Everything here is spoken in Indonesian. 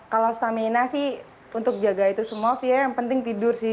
kalau stamina sih untuk jaga itu semua fia yang penting tidur sih